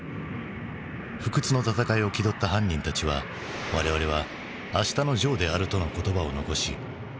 不屈の戦いを気取った犯人たちは「われわれは明日のジョーである」との言葉を残し北朝鮮へと旅立った。